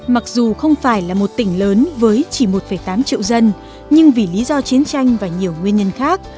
mặc dù không phải là một tỉnh lớn với chỉ một tám triệu dân nhưng vì lý do chiến tranh và nhiều nguyên nhân khác